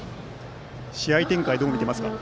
試合展開はどう見ていますか？